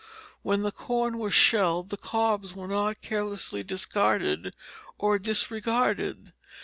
When the corn was shelled, the cobs were not carelessly discarded or disregarded.